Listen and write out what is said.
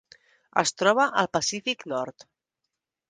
Es troba al Pacífic nord.